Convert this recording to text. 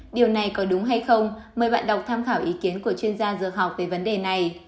điều này có đúng hay không mời bạn đọc tham khảo ý kiến của chuyên gia dược học về vấn đề này